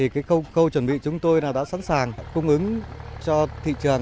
khâu chuẩn bị chúng tôi đã sẵn sàng cung ứng cho thị trường